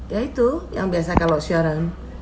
yaitu yang biasa kalau siaran